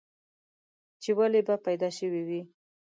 چې ولې به پيدا شوی وې؟